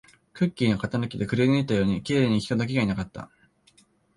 クッキーの型抜きでくりぬいたように、綺麗に人だけがいなかった